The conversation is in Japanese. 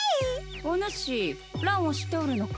おぬしランを知っておるのか？